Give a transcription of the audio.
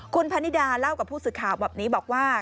คุณพนิดาเล่ากับผู้สื่อข่าวแบบนี้บอกว่า